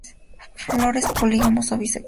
Flores polígamos o bisexuales.